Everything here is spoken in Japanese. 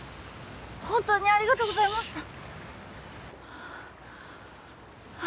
本当にありがとうございましたいえ